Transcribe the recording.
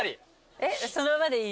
そのままでいい？